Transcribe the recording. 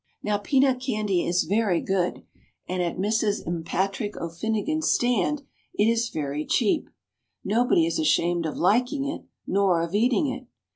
Now peanut candy is very good, and at Mrs. M'Patrick O'Finnigan's stand it is very cheap. Nobody is ashamed of liking it, nor of eating it.